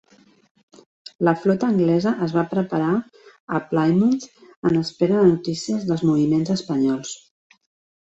La flota anglesa es va preparar a Plymouth en espera de notícies dels moviments espanyols.